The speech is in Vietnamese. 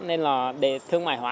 nên là để thương mại hóa